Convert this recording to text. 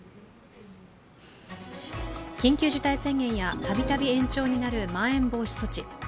緊急事態宣言やたびたび延長になるまん延防止措置。